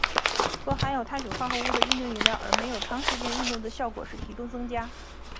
喝含有碳水化合物的运动饮料而没有长时间运动的效果是体重增加。